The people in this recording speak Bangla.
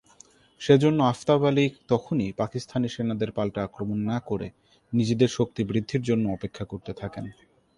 সে জন্য আফতাব আলী তখনই পাকিস্তানি সেনাদের পাল্টা আক্রমণ না করে নিজেদের শক্তি বৃদ্ধির জন্য অপেক্ষা করতে থাকেন।